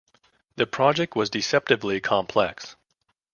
The project was deceptively complex.